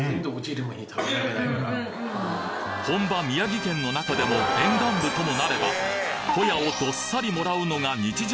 本場宮城県の中でも沿岸部ともなればホヤをどっさりもらうのが日常